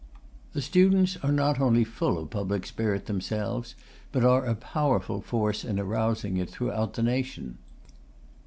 The students are not only full of public spirit themselves, but are a powerful force in arousing it throughout the nation.